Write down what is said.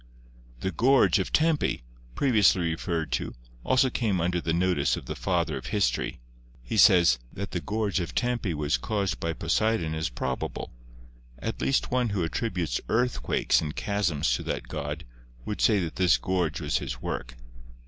The Gorge of Tempe, previously referred to, also came under the notice of the Father of History. He says : "That the Gorge of Tempe was caused by Poseidon is probable; at least one who attributes earthquakes and chasms to that god would say that this gorge was his work.